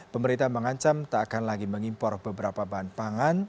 pemerintah mengancam tak akan lagi mengimpor beberapa bahan pangan